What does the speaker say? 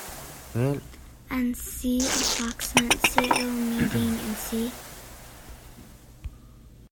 An si a fak, sihmanhsehlaw mi ding an si.